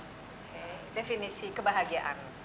oke definisi kebahagiaan